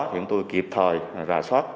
chúng tôi kịp thời rà soát